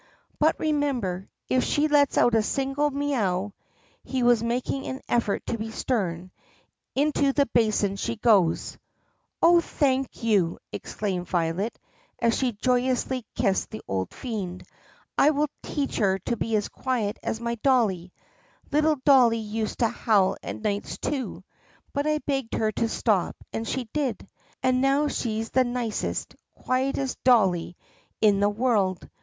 "But remember, if she lets out a single mee ow" — he was mak ing an effort to be stern — "into the basin she goes!" "Oh, thank you!" exclaimed Violet as she joyously kissed the old fiend. "I will teach her to be as quiet as my dolly. Little dolly used to howl at nights, too, but I begged her to stop and she did; and now she's the nicest, quietest dolly in the world.